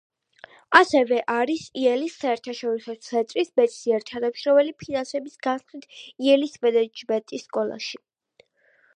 ასევე არის იელის საერთაშორისო ცენტრის მეცნიერ-თანამშრომელი ფინანსების განხრით იელის მენეჯმენტის სკოლაში.